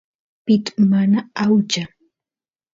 pit mana aucha